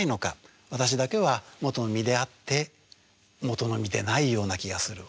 私だけはもとの身であってもとの身でないような気がする。